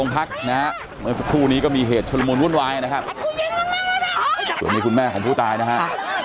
เมื่อสักครู่นี้ก็มีเหตุชุลมุนวุ่นวายนะครับส่วนนี้คุณแม่ของผู้ตายนะฮะ